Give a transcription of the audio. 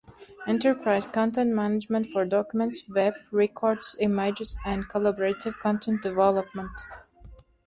Enterprise content management for documents, web, records, images and collaborative content development.